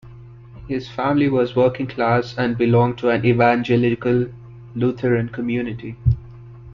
His family was working class and belonged to an evangelical Lutheran community.